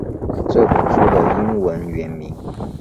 这本书的英文原名